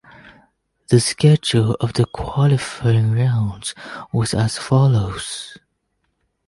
The schedule of the qualifying rounds was as follows.